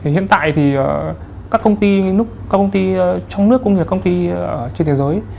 hiện tại thì các công ty trong nước công nghệ công ty trên thế giới